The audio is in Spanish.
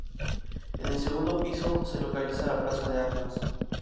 En el segundo piso, se localiza la Plaza de Armas.